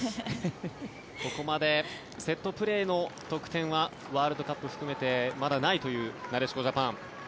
ここまでセットプレーの得点はワールドカップ含めてまだ、ないというなでしこジャパン。